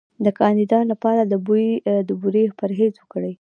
د کاندیدا لپاره د بورې پرهیز وکړئ